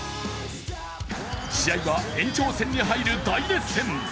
試合は延長戦に入る大熱戦。